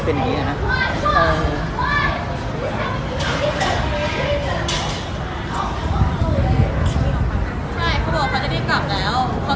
ตอนที่สุดมันกลายเป็นสิ่งที่ไม่มีความคิดว่า